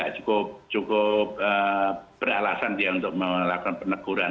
cukup beralasan dia untuk melakukan peneguran